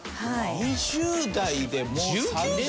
２０代でもう３台。